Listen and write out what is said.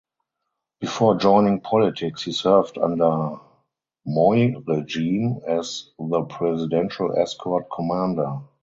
Before joining politics he served under Moi regime as the Presidential Escort Commander.